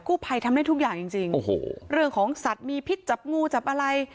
ผู้ภัยทำได้ทุกอย่างจริงจริงโอ้โหเรื่องของสัตว์มีพิษจับงูจับอะไร